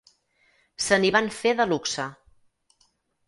Se n'hi van fer de luxe.